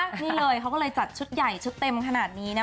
นี่เลยเขาก็เลยจัดชุดใหญ่ชุดเต็มขนาดนี้นะ